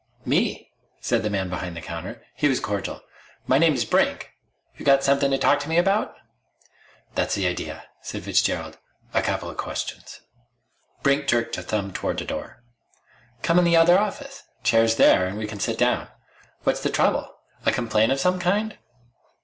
"Me," said the man behind the counter. He was cordial. "My name's Brink. You've got something to talk to me about?" "That's the idea," said Fitzgerald. "A coupla questions." Brink jerked a thumb toward a door. "Come in the other office. Chairs there, and we can sit down. What's the trouble? A complaint of some kind?"